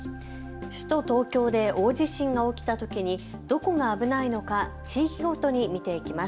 首都東京で大地震が起きたときにどこが危ないのか地域ごとに見ていきます。